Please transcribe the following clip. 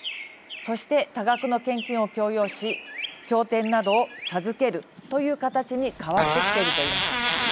そして多額の献金を強要し経典などを授けるという形に変わってきているといいます。